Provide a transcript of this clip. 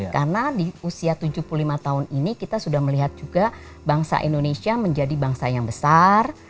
karena di usia tujuh puluh lima tahun ini kita sudah melihat juga bangsa indonesia menjadi bangsa yang besar